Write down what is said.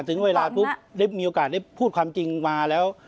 ถึงเวลาปุ๊บได้มีโอกาสได้พูดความจริงมาแล้ว